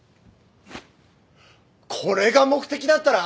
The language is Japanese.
これが目的だったな！？